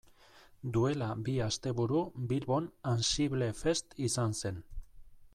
Duela bi asteburu Bilbon AnsibleFest izan zen.